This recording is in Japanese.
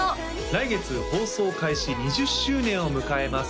来月放送開始２０周年を迎えます